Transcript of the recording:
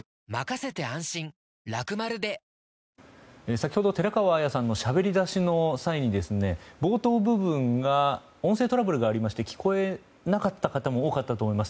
先ほど寺川綾さんのしゃべり出しの際に冒頭部分が音声トラブルがありまして聞こえなかった方も多かったと思います。